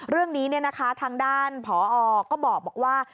เรื่องนี้ทางด้านผอก็บอกว่า